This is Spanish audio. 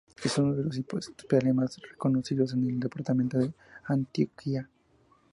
Es uno de los hospitales más reconocidos en el departamento de Antioquia.